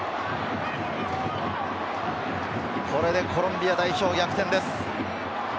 これでコロンビア代表、逆転です。